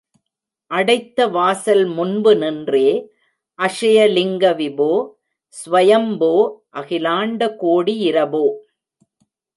அடைத்த வாசல் முன்பு நின்றே, அக்ஷயலிங்க விபோ, ஸ்வாயம் போ, அகிலாண்ட கோடியிரபோ!